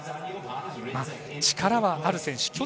力はある選手。